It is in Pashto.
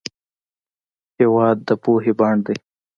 هېواد د پوهې بڼ دی.